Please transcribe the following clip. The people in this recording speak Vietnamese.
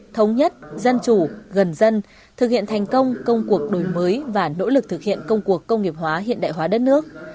thống nhất dân chủ gần dân thực hiện thành công công cuộc đổi mới và nỗ lực thực hiện công cuộc công nghiệp hóa hiện đại hóa đất nước